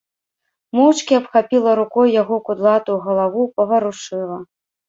Моўчкі абхапіла рукой яго кудлатую галаву, паварушыла.